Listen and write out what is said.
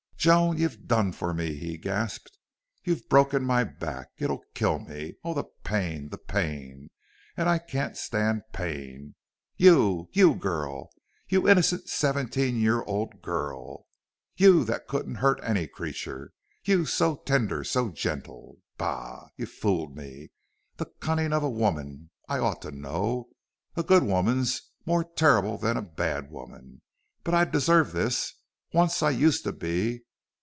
"Joan, you've done for me!" he gasped. "You've broken my back!... It'll kill me! Oh the pain the pain! And I can't stand pain! You you girl! You innocent seventeen year old girl! You that couldn't hurt any creature! You so tender so gentle!... Bah! you fooled me. The cunning of a woman! I ought to know. A good woman's more terrible than a bad woman.... But I deserved this. Once I used to be....